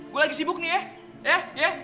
gue lagi sibuk nih ya